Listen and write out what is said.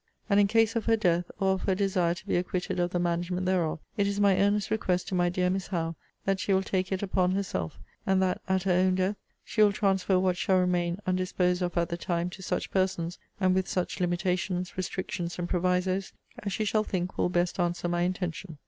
And in case of her death, or of her desire to be acquitted of the management thereof, it is my earnest request to my dear Miss Howe, that she will take it upon herself, and that at her own death she will transfer what shall remain undisposed of at the time, to such persons, and with such limitations, restrictions, and provisoes, as she shall think will best answer my intention.